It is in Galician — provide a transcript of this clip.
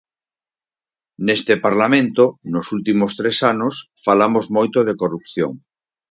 Neste Parlamento, nos últimos tres anos falamos moito de corrupción.